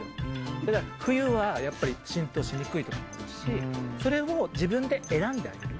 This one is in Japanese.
だから冬はやっぱり浸透しにくいとかってあるし、それを自分で選んであげる。